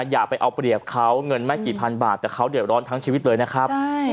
อย่าไปเอาเปรียบเขาเงินไม่กี่พันบาทแต่เขาเดือดร้อนทั้งชีวิตเลยนะครับ